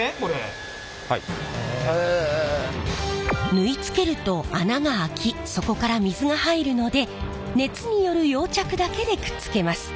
縫い付けると穴が開きそこから水が入るので熱による溶着だけでくっつけます。